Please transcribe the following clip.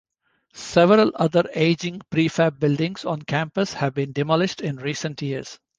Several other aging prefab buildings on campus have been demolished in recent years.